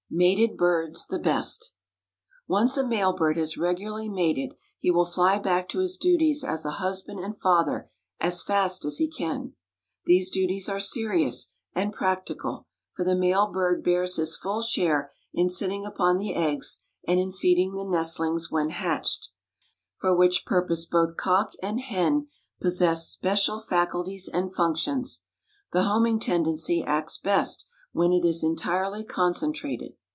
MATED BIRDS THE BEST. Once a male bird has regularly mated he will fly back to his duties as a husband and father as fast as he can. These duties are serious and practical, for the male bird bears his full share in sitting upon the eggs and in feeding the nestlings when hatched, for which purpose both cock and hen possess special faculties and functions. The homing tendency acts best when it is entirely concentrated.